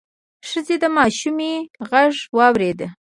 ښځې د ماشومې غږ واورېد: